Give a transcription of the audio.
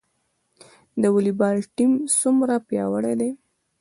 د والیبال ټیم څومره پیاوړی دی؟